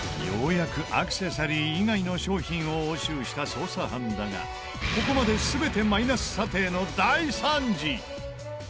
ようやくアクセサリー以外の商品を押収した捜査班だがここまで全てマイナス査定の大惨事！